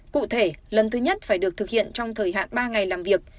cụ thể lần thứ nhất phải được thực hiện trong thời hạn ba ngày làm việc